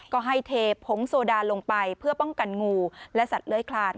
ก็ให้เทพงโซดาลงไปเพื่อป้องกันงูและสัตว์เลื้อยคลาน